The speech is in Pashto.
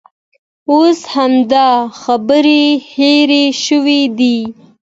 اوس همدا خبرې هېرې شوې دي.